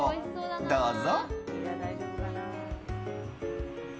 どうぞ。